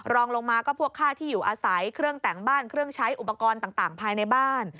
รองลงมาก็พวกค่าที่อยู่อาศัยเครื่องแต่งบ้านเครื่องใช้อุปกรณ์ต่างภายในบ้าน